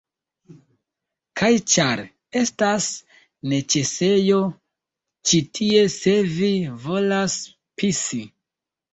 Kaj ĉar... estas neĉesejo ĉi tie se vi volas pisi